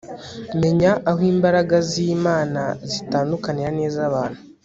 menya aho imbaraga zImana zitandukanira nizabantu